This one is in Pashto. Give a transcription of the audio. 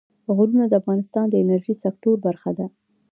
غرونه د افغانستان د انرژۍ سکتور برخه ده.